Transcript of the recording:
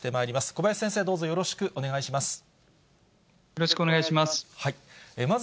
小林先生、どうぞよろしくお願いよろしくお願いします。